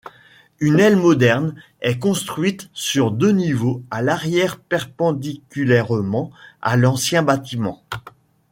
Une aile moderne est construite sur deux niveaux à l’arrière perpendiculairement à l'ancien bâtiment.